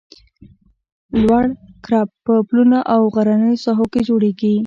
لوړ کرب په پلونو او غرنیو ساحو کې جوړیږي